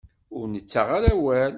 Ur nettaɣ ara awal.